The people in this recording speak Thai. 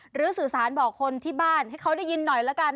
หรือสื่อสารบอกคนที่บ้านให้เขาได้ยินหน่อยละกัน